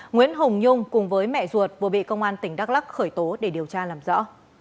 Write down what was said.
nguyễn hồng nhung cùng với mẹ ruột vừa bị công an tỉnh đắk lắc khởi tố để điều tra làm rõ